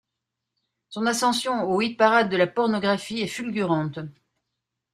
Son ascension au hit-parade de la pornographie est fulgurante.